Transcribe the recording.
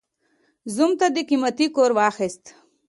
زوم ته دې قيمتي کور واخيست.